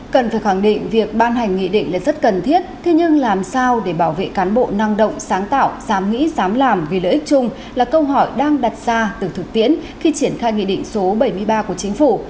cần phải khẳng định việc ban hành nghị định là rất cần thiết thế nhưng làm sao để bảo vệ cán bộ năng động sáng tạo dám nghĩ dám làm vì lợi ích chung là câu hỏi đang đặt ra từ thực tiễn khi triển khai nghị định số bảy mươi ba của chính phủ